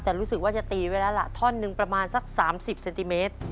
แต่รู้สึกว่าจะตีไว้แล้วล่ะท่อนหนึ่งประมาณสัก๓๐เซนติเมตร